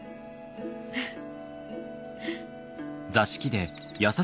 フッ。